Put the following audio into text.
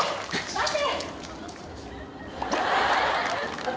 待て！